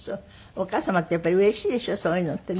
お母様ってやっぱりうれしいでしょそういうのってね。